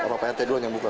atau prt doang yang buka